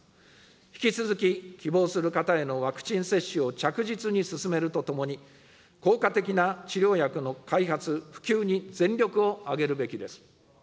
引き続き、希望する方へのワクチン接種を着実に進めるとともに、効果的な治療薬の開発・普及に全力を挙げるべきです。